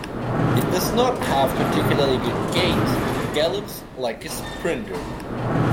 It does not have particularly good gaits, but gallops like a sprinter.